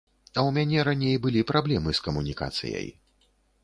А ў мяне раней былі праблемы з камунікацыяй.